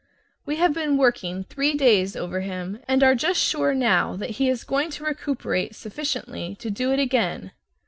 We have been working three days over him, and are just sure now that he is going to recuperate sufficiently to do it again!